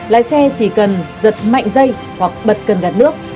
lái xe chỉ cần giật mạnh dây hoặc bật cần đặt nước